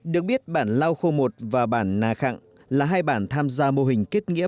được biết bản lào khu một và bản nà khăng là hai bản tham gia mô hình kết nghiệm